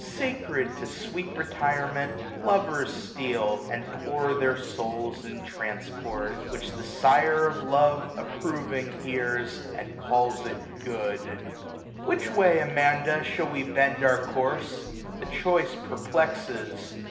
Sacred to sweet retirement, lovers steal. And pour their souls in transport; which the Sire Of love approving hears, and calls it good, 1399 Which way, Amanda, shall we bend our course ? The choice perplexes.